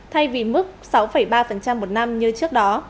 thay vì mức sáu ba một năm như trước đó